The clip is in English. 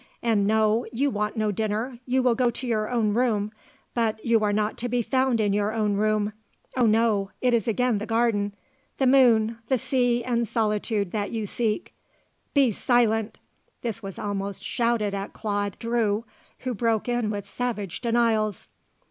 And no, you want no dinner; you will go to your own room. But you are not to be found in your own room. Oh, no; it is again the garden; the moon; the sea and solitude that you seek! Be silent!" this was almost shouted at Claude Drew, who broke in with savage denials.